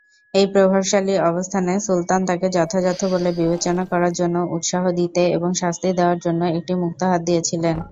এই প্রভাবশালী অবস্থানে, সুলতান তাকে যথাযথ বলে বিবেচনা করার জন্য উত্সাহ দিতে এবং শাস্তি দেওয়ার জন্য একটি মুক্ত হাত দিয়েছিলেন।